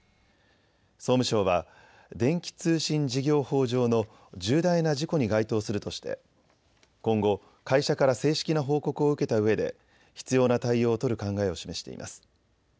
総務省は電気通信事業法上の重大な事故に該当するとして今後、会社から正式な報告を受けたうえで必要な対応を取る考えを示しています。